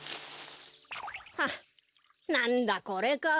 はっなんだこれか。